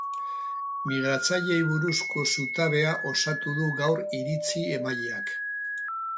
Migratzaileei buruzko zutabea osatu du gaur iritzi-emaileak.